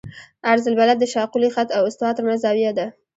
عرض البلد د شاقولي خط او استوا ترمنځ زاویه ده